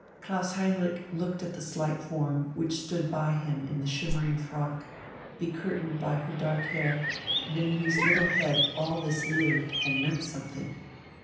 Klaus Heinrich looked at the slight form, which stood by him in the shimmering frock, becurtained by her dark hair, and in whose little head all this lived and meant something.